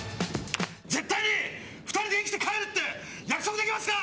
絶対に２人で生きて帰るって約束できますか！